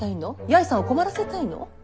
八重さんを困らせたいの？